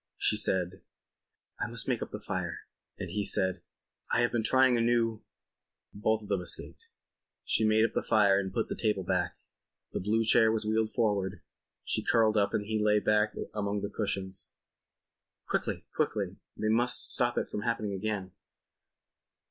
She said: "I must make up the fire," and he said: "I have been trying a new ..." Both of them escaped. She made up the fire and put the table back, the blue chair was wheeled forward, she curled up and he lay back among the cushions. Quickly! Quickly! They must stop it from happening again.